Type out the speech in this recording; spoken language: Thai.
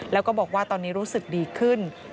แล้วก็บอกว่าตอนนี้รู้สึกดีขึ้น